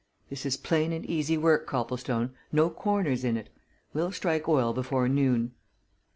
This is plain and easy work, Copplestone no corners in it. We'll strike oil before noon."